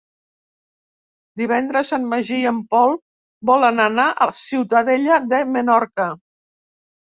Divendres en Magí i en Pol volen anar a Ciutadella de Menorca.